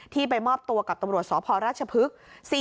ที่ไปมอบตัวกับตำรวจสภรัชพฤษ